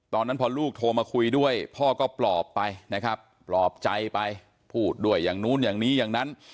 ตอนนั้นพอลูกโทรมาคุยด้วยพ่อก็ปลอบไปนะครับปลอบใจไปพูดด้วยอย่างนู้นอย่างนี้อย่างนั้น